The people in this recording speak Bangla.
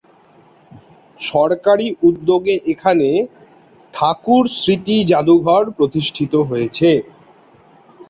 সরকারি উদ্যোগে এখানে ‘ঠাকুর স্মৃতি জাদুঘর’ প্রতিষ্ঠিত হয়েছে।